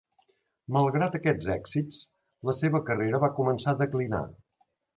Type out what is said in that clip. Malgrat aquests èxits, la seva carrera va començar a declinar.